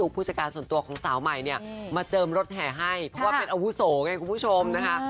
คืออะไรนะขออนุญาตแกให้ดูนะ